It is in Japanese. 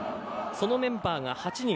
そのメンバーが８人